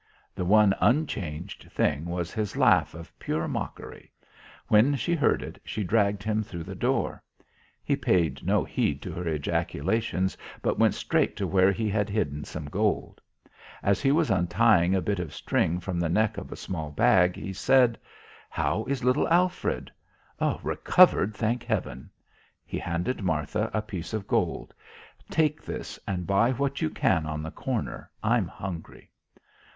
The one unchanged thing was his laugh of pure mockery. When she heard it, she dragged him through the door. He paid no heed to her ejaculations but went straight to where he had hidden some gold. As he was untying a bit of string from the neck of a small bag, he said, "How is little Alfred?" "Recovered, thank Heaven." He handed Martha a piece of gold. "Take this and buy what you can on the corner. I'm hungry."